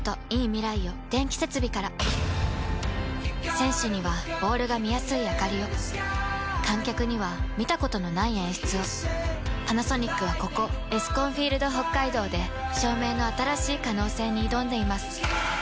選手にはボールが見やすいあかりを観客には見たことのない演出をパナソニックはここエスコンフィールドＨＯＫＫＡＩＤＯで照明の新しい可能性に挑んでいます